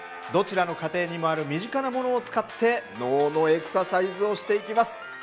どちらの家庭にもある身近なものを使って脳のエクササイズをしていきます。